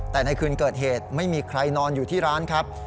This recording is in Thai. แต่ในคืนเกิดเหตุไม่มีใครนอนอยู่ที่ร้านครับ